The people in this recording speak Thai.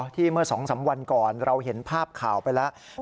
เมื่อ๒๓วันก่อนเราเห็นภาพข่าวไปแล้ว